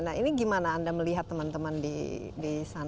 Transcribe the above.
nah ini gimana anda melihat teman teman di sana dengan prestasinya dan